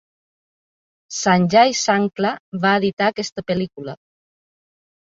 Sanjay Sankla va editar aquesta pel·lícula.